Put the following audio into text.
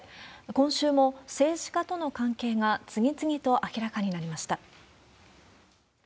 今週も、政治家との関係が次々と明らかになりました。